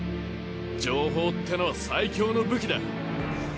情報ってのは最強の武器だ。